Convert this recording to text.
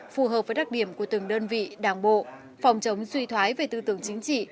phù hợp với đặc điểm của từng đơn vị đảng bộ phòng chống suy thoái về tư tưởng chính trị